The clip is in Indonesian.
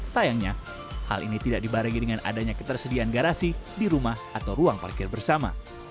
sayangnya hal ini tidak dibarengi dengan adanya ketersediaan garasi di rumah atau ruang parkir bersama